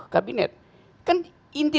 kabinet kan inti